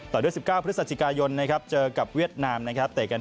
ต่อด้วย๑๙พฤศจิกายนเจอกับเวียดนามเตะกันที่มีดิ่งสเตรเดียม